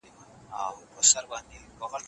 که موږ یو ځای کار وکړو نو بریا به زموږ وي.